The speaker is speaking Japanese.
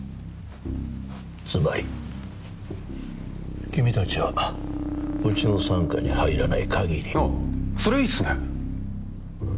つまり君達はうちの傘下に入らない限りあっそれいいっすねうん？